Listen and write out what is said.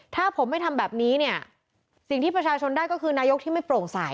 ถ้าผมไม่ทำแบบนี้เนี่ยสิ่งที่ประชาชนได้ก็คือนายกที่ไม่โปร่งใส